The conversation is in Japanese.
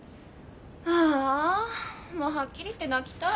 ああもうはっきり言って泣きたい。